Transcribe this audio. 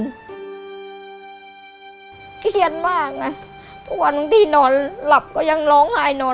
เจี๊ยดมากทุกวันนี้หนอนหลับก็ยังร้องหายหนอน